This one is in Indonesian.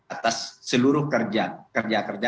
atas seluruh kerja kerja